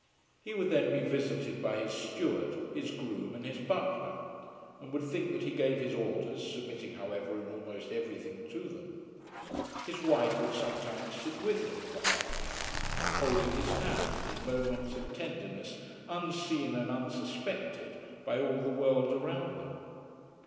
He would then be visited by his steward, his groom, and his butler; and would think that he gave his orders, submitting, however, in almost every thing to them. His wife would sometimes sit with him for half an hour, holding his hand, in moments of tenderness unseen and unsuspected by all the world around them.